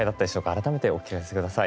改めてお聞かせ下さい。